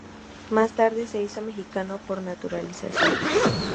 Más tarde se hizo mexicano por naturalización.